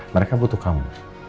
mereka butuh kamu